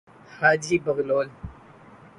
حاجی بغلول